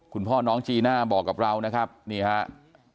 คุณพ่อน้องจีน่าบอกกับเรานะครับนี่ครับ